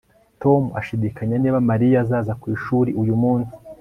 Tom ashidikanya niba Mariya azaza ku ishuri uyu munsi